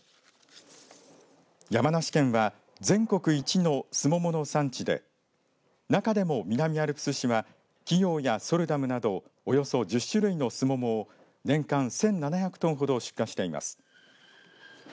山梨県は全国一のスモモの産地で中でも南アルプス市は貴陽やソルダムなどおよそ１０種類のスモモを年間１７００トンほど出荷しています。